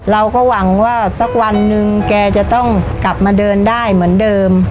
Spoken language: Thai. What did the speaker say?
เราก็หวังว่าสักวันหนึ่งแกจะต้องกลับมาเดินได้เหมือนเดิม